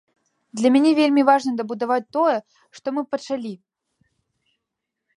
Для мяне вельмі важна дабудаваць тое, што мы пачалі.